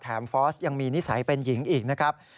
ฟอสยังมีนิสัยเป็นหญิงอีกนะครับ